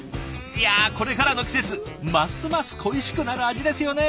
いやこれからの季節ますます恋しくなる味ですよね。